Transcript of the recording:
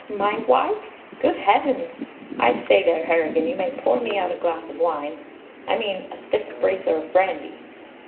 My wife? Good Heavens! I say there, Harrigan, you may pour me out a glass of wine, I mean a stiff bracer of brandy!"